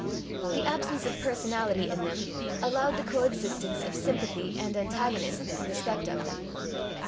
The absence of personality in them allowed the co existence of sympathy and antagonism in respect of them.